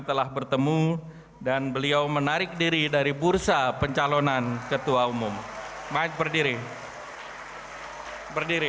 telah bertemu dan beliau menarik diri dari bursa pencalonan ketua umum baik berdiri berdiri